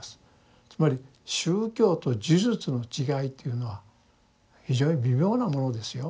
つまり宗教と呪術の違いというのは非常に微妙なものですよ。